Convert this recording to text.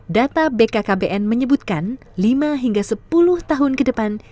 data bkkbn menyebutkan lima hingga sepuluh tahun ke depan